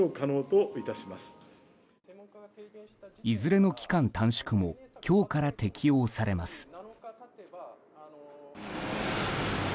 いずれの期間短縮も今日から適用されます。